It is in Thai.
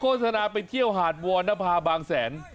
โศนาไปเที่ยวหาดวรรณภาบางแสน